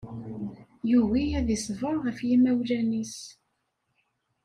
Yugi ad iṣber ɣef yimawlan-is.